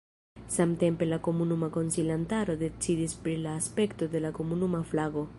Samtempe la komunuma konsilantaro decidis pri la aspekto de la komunuma flago.